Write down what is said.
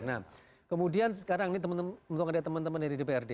nah kemudian sekarang ini temen temen untuk ada temen temen dari dprd